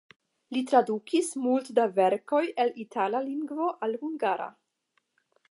Li tradukis multe da verkoj el itala lingvo al hungara.